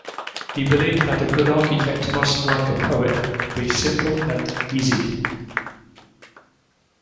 He believed that a good architect must like a poet be simple and easy.